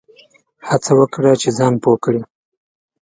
هڅه وکړه چي ځان پوه کړې !